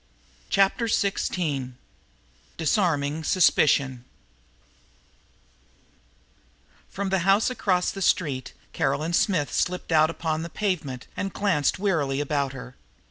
Chapter Sixteen Disarming Suspicion From the house across the street Caroline Smith slipped out upon the pavement and glanced warily about her.